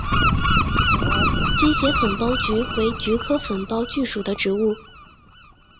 基节粉苞菊为菊科粉苞苣属的植物。